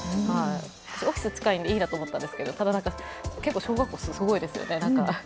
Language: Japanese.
オフィス近いのでいいなと思ったんですが、ただ、小学校すごいですよね。